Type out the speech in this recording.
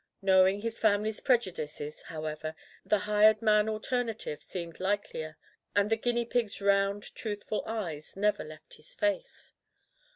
Knowing his family's prejudices, how ever, the hired man alternative seemed like lier — and the guinea pigs' round, truthful eyes never left his face.